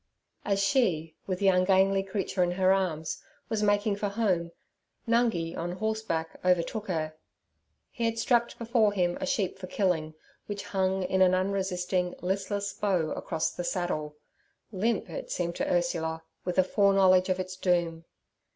As she, with the ungainly creature in her arms, was making for home, Nungi on horseback overtook her. He had strapped before him a sheep for killing, which hung in an unresisting, listless bow across the saddle—limp, it seemed to Ursula, with the fore knowledge of its doom.